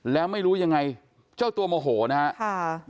แล้วไม่รู้ยังไงเจ้าตัวโมโหนะครับ